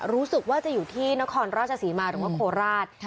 รู้สึกว่าจะอยู่ที่นครราชศรีมาหรือว่าโคราช